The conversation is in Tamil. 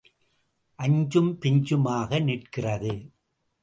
அஞ்சும் பிஞ்சுமாக நிற்கிறது.